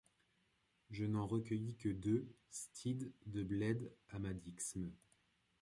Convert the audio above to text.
Je n'en recueillis que deux stieds de bleds à ma dixme...